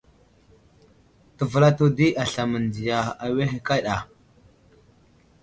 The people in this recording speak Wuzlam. Təvəlato di aslam mənziya awehe kaɗa.